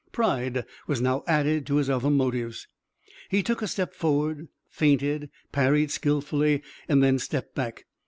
Pride was now added to his other motives. He took a step forward, feinted, parried skillfully, and then stepped back.